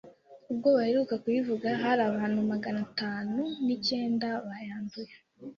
ubwo baheruka kuyivuga hari abantu maganatanu ni cyenda bayanduye